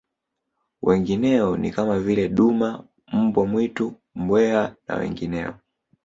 Wengineo ni kama vile duma mbwa mwitu mbweha na wengineo